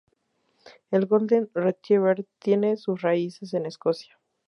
El golden retriever tiene sus raíces en Escocia.